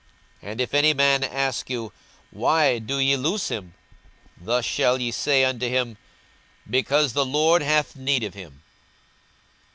42:019:031 And if any man ask you, Why do ye loose him? thus shall ye say unto him, Because the Lord hath need of him.